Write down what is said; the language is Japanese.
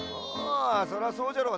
そりゃそうじゃろう